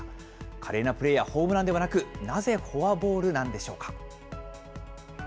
華麗なプレーやホームランではなく、なぜフォアボールなんでしょうか。